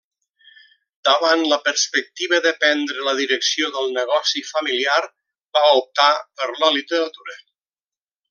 Davant la perspectiva de prendre la direcció del negoci familiar, va optar per la literatura.